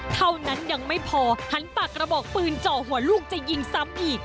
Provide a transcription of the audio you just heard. เท่านั้นยังไม่พอหันปากกระบอกปืนเจาะหัวลูกจะยิงซ้ำอีก